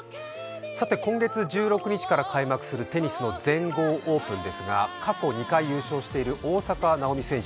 今月１６日から開幕するテニスの全豪オープンですが過去２回優勝している大坂なおみ選手